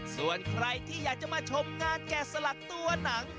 ส่วนใครที่อยากจะมาชมงานแกะสลักตัวหนัง